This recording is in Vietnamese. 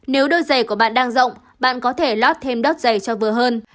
nếu đôi giày của bạn đang rộng bạn có thể lót thêm đót giày cho vừa hơn